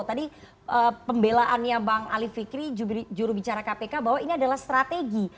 tadi pembelaannya bang alif fikri juru bicara kpk bahwa ini adalah strategi